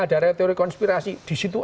ada teori konspirasi disitu